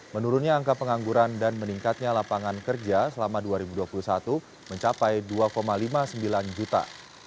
menurunnya angka pengangguran dan meningkatnya lapangan kerja selama dua ribu dua puluh satu mencapai dua lima puluh sembilan juta